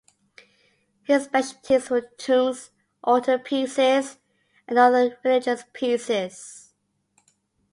His specialties were tombs, altarpieces and other religious pieces.